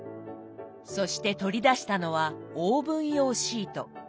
そして取り出したのはオーブン用シート。